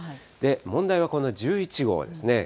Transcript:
問題はこの１１号ですね。